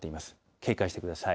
警戒してください。